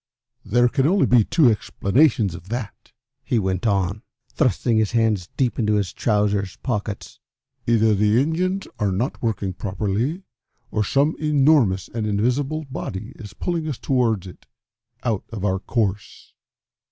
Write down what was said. "There can only be two explanations of that," he went on, thrusting his hands deep into his trousers pockets; "either the engines are not working properly, or some enormous and invisible body is pulling us towards it out of our course.